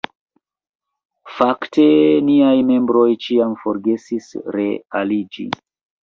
Fakte niaj membroj ĉiam forgesis re-aliĝi.